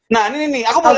nah ini nih aku boleh